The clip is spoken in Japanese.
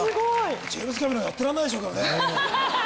ジェームズ・キャメロンやってらんないでしょうけどね。